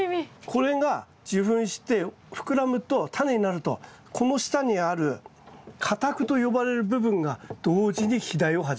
これが受粉して膨らむとタネになるとこの下にある花托と呼ばれる部分が同時に肥大を始めるという。